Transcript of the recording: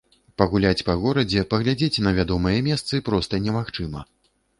Пагуляць па горадзе, паглядзець на вядомыя месцы проста немагчыма.